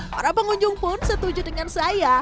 para pengunjung pun setuju dengan saya